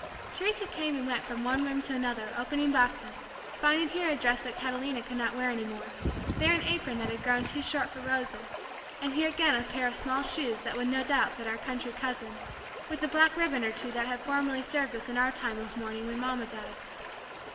Teresa came and went from one room to another opening boxes, finding here a dress that Catalina could not wear any more, there an apron that had grown too short for Rosa, and here again a pair of small shoes that would no doubt fit our country cousin, with a black ribbon or two that had formerly served us in our time of mourning when mamma died.